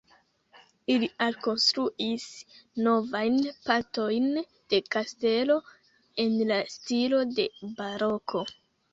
Ili alkonstruis novajn partojn de kastelo en la stilo de baroko.